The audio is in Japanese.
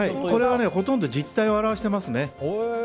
これはほとんど実態を表してますね。